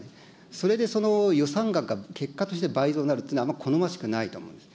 それでその予算額が結果として倍増になるってのは、あんまり好ましくないと思うんです。